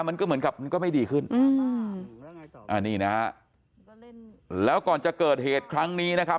มันก็เหมือนกับมันก็ไม่ดีขึ้นอืมอ่านี่นะฮะแล้วก่อนจะเกิดเหตุครั้งนี้นะครับ